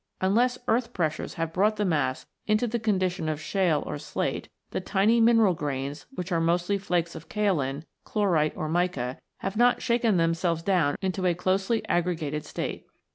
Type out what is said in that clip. Unless earth pressures have brought the mass into the condition of shale or slate, the tiny mineral grains, which are mostly flakes of kaolin, chlorite, or mica, have not shaken themselves down into a closely aggregated state.